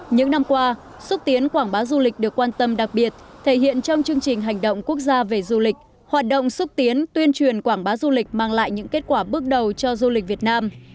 những năm qua xúc tiến quảng bá du lịch được quan tâm đặc biệt thể hiện trong chương trình hành động quốc gia về du lịch hoạt động xúc tiến tuyên truyền quảng bá du lịch mang lại những kết quả bước đầu cho du lịch việt nam